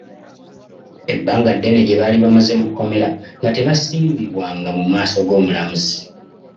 Ebbanga ddene lye baali bamaze mu kkomera nga tebasimbibwanga mu maaso g’omulamuzi.